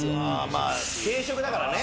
まあ定食だからね。